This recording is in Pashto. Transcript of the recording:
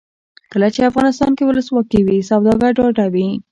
کله چې افغانستان کې ولسواکي وي سوداګر ډاډه وي.